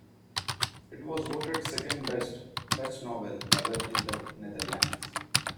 It was voted second best Dutch novel ever in the Netherlands.